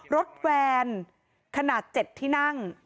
แวนขนาด๗ที่นั่ง